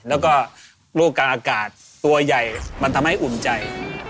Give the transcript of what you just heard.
แล้วก็โรคกลางอากาศตัวใหญ่มันทำให้อุ่นใจ